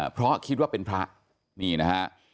เพราะคิดว่าเป็นพระนี่นะฮะ